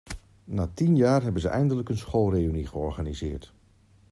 Na tien jaar hebben ze eindelijk een schoolreünie georganiseerd.